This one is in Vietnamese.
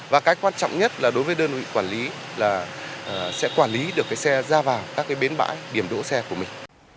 và cái quan trọng nhất là đối với đơn vị quản lý là sẽ quản lý được cái xe ra vào các cái bến bãi điểm đỗ xe của mình